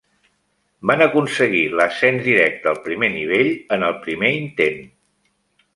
Van aconseguir l'ascens directe al primer nivell en el primer intent.